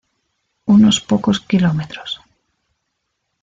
Unos pocos km.